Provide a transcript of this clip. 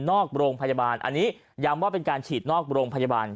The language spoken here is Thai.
นอกโรงพยาบาลอันนี้ย้ำว่าเป็นการฉีดนอกโรงพยาบาล